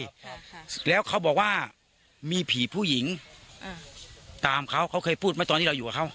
ค่ะแล้วเขาบอกว่ามีผีผู้หญิงอ่าตามเขาเขาเคยพูดไหมตอนที่เราอยู่กับเขา